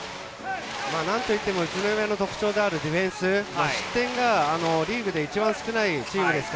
宇都宮の特徴であるディフェンス、失点がリーグで一番少ないチームです。